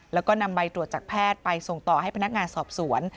แล้วก็นำใบตรวจจากแพทย์ไปส่งต่อให้พนักงานสอบสวน